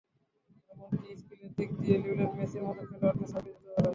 এমনকি স্কিলের দিক দিয়ে লিওনেল মেসির মতো খেলোয়াড়কেও ছাপিয়ে যেতে পারে।